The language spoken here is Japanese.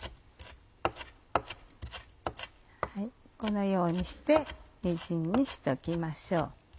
このようにしてみじんにしておきましょう。